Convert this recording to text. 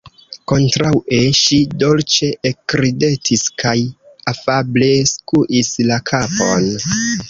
Kontraŭe, ŝi dolĉe ekridetis kaj afable skuis la kapon.